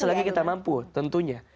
selagi kita mampu tentunya